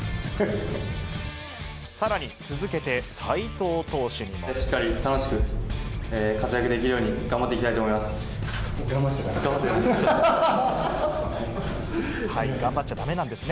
さらに、しっかり楽しく、活躍できるように頑張っていきたいと思います。